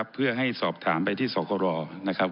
เพื่อให้สอบถามไปที่สหราบราชการนะครับ